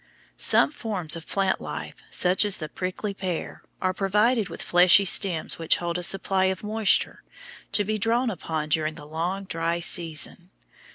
Some forms of plant life, such as the prickly pear, are provided with fleshy stems which hold a supply of moisture to be drawn upon during the long dry season.